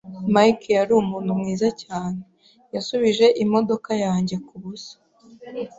Mike yari umuntu mwiza cyane. Yasubije imodoka yanjye kubusa.